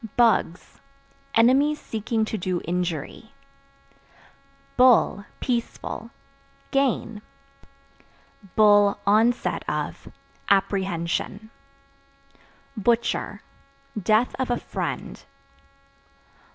Bugs Enemies seeking to do injury. Bull (Peaceful) gain; (onset of) apprehension. Butcher Death of a friend.